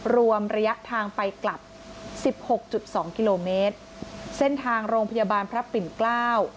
รวมระยะทางไปกลับสิบหกจุดสองกิโลเมตรเส้นทางโรงพยาบาลพระปิ่นเกล้า